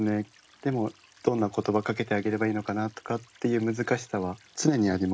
でもどんな言葉かけてあげればいいのかなとかっていう難しさは常にありますね。